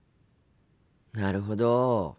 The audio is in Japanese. なるほど。